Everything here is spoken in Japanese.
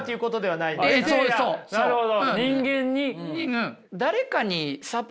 なるほど。